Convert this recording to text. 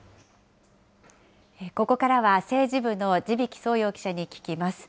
ここからは政治部の地曳創陽記者に聞きます。